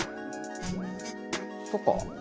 そっか。